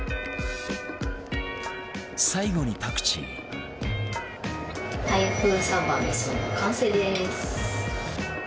最後にパクチーの完成です。